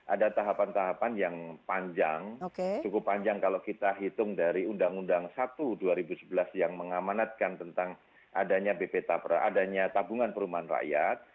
ada tahapan tahapan yang panjang cukup panjang kalau kita hitung dari undang undang satu dua ribu sebelas yang mengamanatkan tentang adanya bp tapra adanya tabungan perumahan rakyat